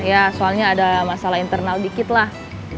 ya soalnya ada masalah internal dikit lah